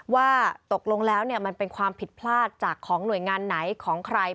ว่าตกลงแล้วมันเป็นความผิดพลาดจากของหน่วยงานไหนของใคร